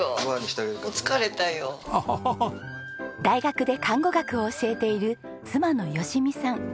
大学で看護学を教えている妻の淑美さん。